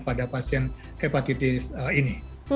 pada pasien hepatitis ini